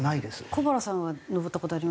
小原さんは登った事ありますか？